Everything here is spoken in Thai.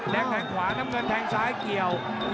แทงขวาน้ำเงินแทงซ้ายเกี่ยว